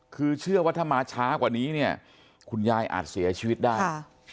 คือเชื่อว่าถ้ามาช้ากว่านี้เนี่ยคุณยายอาจเสียชีวิตได้ค่ะ